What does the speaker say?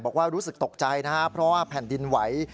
รู้สึกตกใจนะครับเพราะว่าแผ่นดินไหว